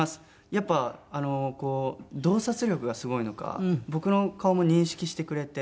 やっぱ洞察力がすごいのか僕の顔も認識してくれて。